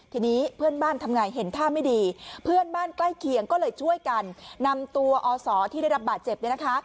ทีนี้เพื่อนบ้านทำไงเห็นท่าไม่ดีเพื่อนบ้านใกล้เคียงก็เลยช่วยกันนำตัวอศที่ได้รับบาดเจ็บเนี่ยนะคะ